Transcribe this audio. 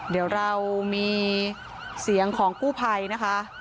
เดี๋ยวเรามีเสียงของกู้ภัยนะคะ